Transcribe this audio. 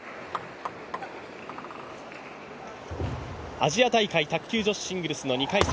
アジア大会卓球女子シングルスの２回戦。